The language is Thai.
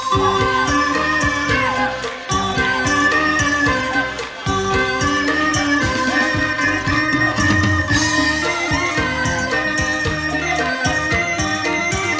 โปรดติดตามตอนต่อไป